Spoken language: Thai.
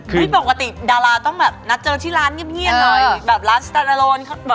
ปกติดาราต้องแบบนัดเจอที่ร้านเงียบหน่อยแบบร้านสตานาโลน